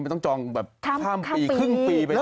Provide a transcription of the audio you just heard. ต้องจองแบบข้ามปีครึ่งปีไปเลย